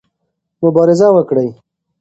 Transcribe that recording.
مبارزه وکړئ.